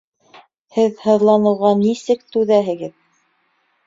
Һеҙ һыҙланыуға мисек түҙәһегеҙ